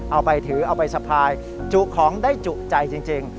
เอาไปถือเอาไปสะพายจุของได้จุใจจริง